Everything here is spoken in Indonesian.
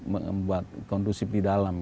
membuat kondusif di dalam